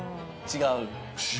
違う。